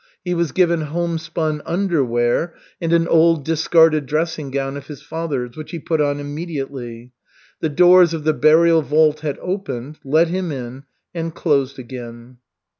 He was given homespun underwear and an old discarded dressing gown of his father's, which he put on immediately. The doors of the burial vault had opened, let him in, and closed again.